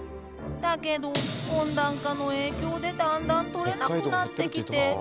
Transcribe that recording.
「だけど温暖化の影響でだんだんとれなくなってきて」